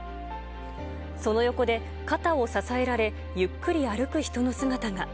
その横で肩を支えられ、ゆっくり歩く人の姿が。